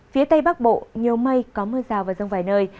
phía tây bắc bộ nhiều mây có mưa rào và rông vài nơi